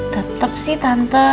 tetep sih tante